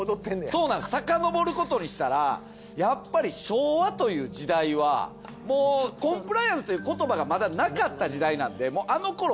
そうなんですさかのぼることにしたらやっぱり昭和という時代はもうコンプライアンスという言葉がまだなかった時代なんでもうあのころ